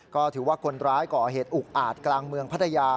ก็ถือว่าคนร้ายก่อเหตุอุกอาจกลางเมืองพัทยา